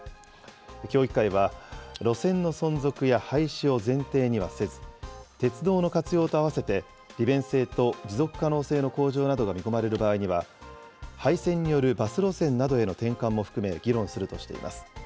協議会は、路線の存続や廃止を前提にはせず、鉄道の活用と合わせて利便性と持続可能性の向上などが見込まれる場合には、廃線によるバス路線などへの転換も含め、議論するとしています。